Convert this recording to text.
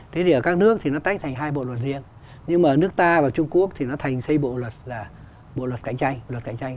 thế thì ở các nước thì nó tách thành hai bộ luật riêng nhưng mà nước ta và trung quốc thì nó thành xây bộ luật là bộ luật cạnh tranh luật cạnh tranh